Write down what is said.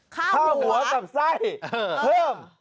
ค่าหัวกับไส้เพิ่ม